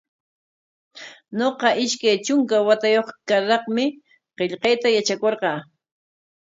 Ñuqa ishkay trunka watayuq karraqmi qillqayta yatrakurqaa.